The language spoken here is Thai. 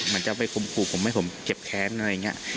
มันจะไปคมขู่ผมให้ผมเจ็บแค้นอะไรอย่างนี้